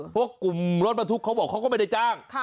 กลุ่มรถบรรทุกเขาบอกเขาก็ไม่ได้จ้าง